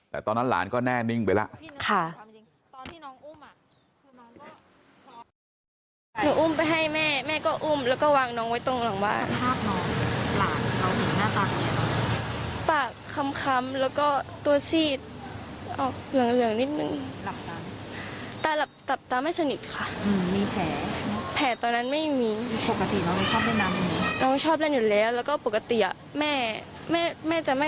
แต่ตอนนั้นหลานก็แน่นิ่งไปแล้ว